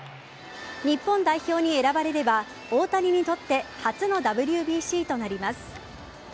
日本代表に選ばれれば大谷にとって初のＷＢＣとなります。